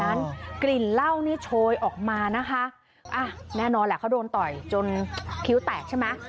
กลิ่นเหล้านี่โชยออกมานะคะอ่ะแน่นอนแหละเขาโดนต่อยจนคิ้วแตกใช่ไหม